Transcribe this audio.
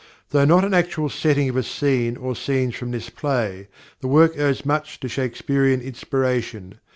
Though not an actual setting of a scene or scenes from this play, the work owes much to Shakespearian inspiration.